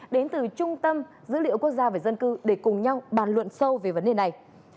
đến từ trung tâm dữ liệu quốc gia về dân cư để cùng nhau bàn luận sâu về vấn đề này